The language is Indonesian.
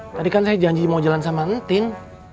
tadi kan saya janji mau jalan sama tim